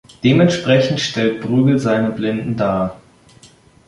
Dementsprechend stellt Bruegel seine Blinden dar.